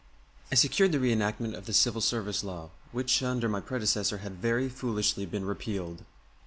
I secured the reenactment of the Civil Service Law, which under my predecessor had very foolishly been repealed.